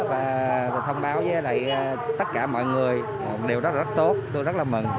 và thông báo với tất cả mọi người điều đó rất tốt tôi rất là mừng